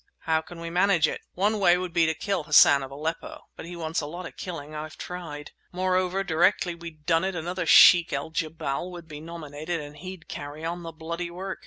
"How can we manage it? One way would be to kill Hassan of Aleppo; but he wants a lot of killing—I've tried! Moreover, directly we'd done it, another Sheikh al jebal would be nominated and he'd carry on the bloody work.